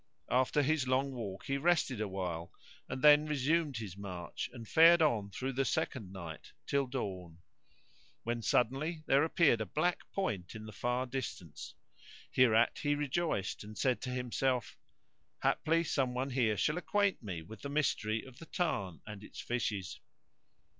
After his long walk he rested for a while, and then resumed his march and fared on through the second night till dawn, when suddenly there appeared a black point in the far distance. Hereat he rejoiced and said to himself, "Haply some one here shall acquaint me with the mystery of the tarn and its fishes."